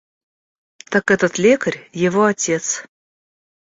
Так этот лекарь его отец.